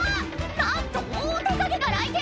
なんとオオトカゲが来店！